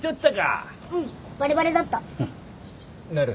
なる。